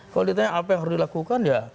kalau ditanya apa yang harus dilakukan ya